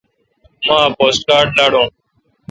مہ اک پوسٹ کارڈ لاڈون۔